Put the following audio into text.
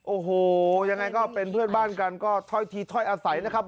โอ้โหยังไงก็เป็นเพื่อนบ้านกันก็ถ้อยทีถ้อยอาศัยนะครับ